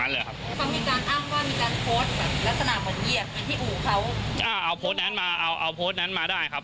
เอาโพสต์นั้นมาได้ครับ